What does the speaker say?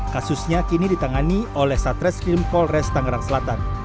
kasusnya kini ditangani oleh satres krim polres tangerang selatan